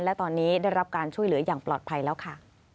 และตอนนี้ได้รับการช่วยเหลืออย่างปลอดภัยแล้วค่ะ